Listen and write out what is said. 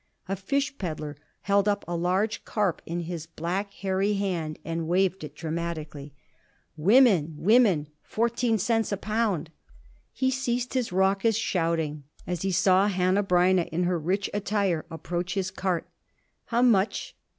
A fish peddler held up a large carp in his black, hairy hand and waved it dramatically: "Women! Women! Fourteen cents a pound!" He ceased his raucous shouting as he saw Hanneh Breineh in her rich attire approach his cart. "How much?"